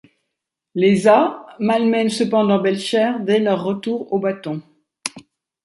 Les A's malmènent cependant Belcher dès leur retour au bâton.